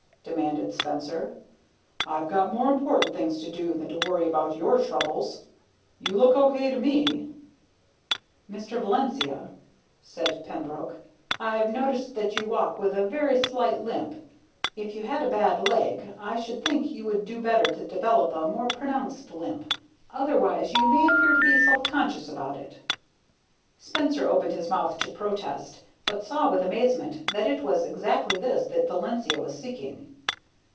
demanded Spencer. "I've got more important things to do than to worry about your troubles. You look okay to me." "Mr. Valencia," said Pembroke. "I've noticed that you walk with a very slight limp. If you have a bad leg, I should think you would do better to develop a more pronounced limp. Otherwise, you may appear to be self conscious about it." Spencer opened his mouth to protest, but saw with amazement that it was exactly this that Valencia was seeking.